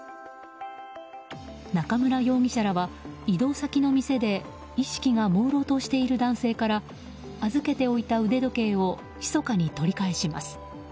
中村容疑者らは移動先の店で意識がもうろうとしている男性から預けておいた腕時計をひそかに取り返します。